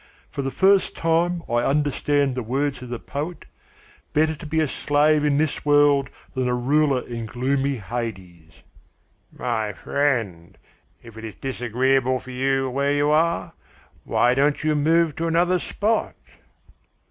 For the first time I understand the words of the poet: 'Better to be a slave in this world than a ruler in gloomy Hades.'" "My friend, if it is disagreeable for you where you are, why don't you move to another spot?"